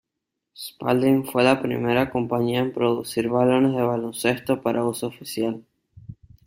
Spalding fue la primera compañía en producir balones de baloncesto para uso oficial.